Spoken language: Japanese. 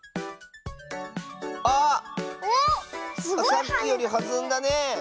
さっきよりはずんだね。ね。